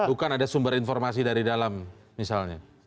bukan ada sumber informasi dari dalam misalnya